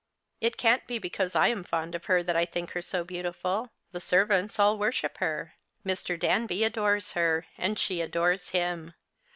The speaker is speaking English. It can't be because I am fond of her that I think her so beautiful. The servants all worship her. Mv. Danby adores her, and she adores him.